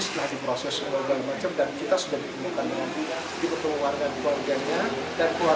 keluarganya lebih memohon lebih kecelakaan kerja